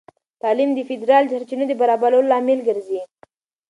تعلیم د فیدرال سرچینو د برابرولو لامل ګرځي.